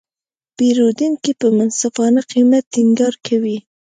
پیرودونکي په منصفانه قیمت ټینګار کوي.